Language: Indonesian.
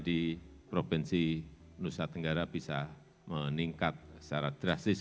di provinsi nusa tenggara bisa meningkat secara drastis